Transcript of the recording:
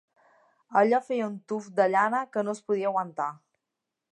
Allò feia un tuf de llana que no es podia aguantar.